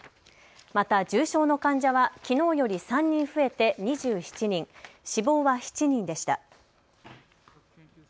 また重症の患者はきのうより３人増えて２７人、死亡は７人でした。